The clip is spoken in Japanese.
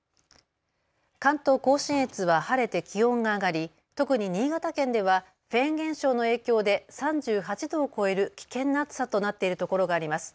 関東甲信越は晴れて気温が上がり特に新潟県ではフェーン現象の影響で３８度を超える危険な暑さとなっている所があります。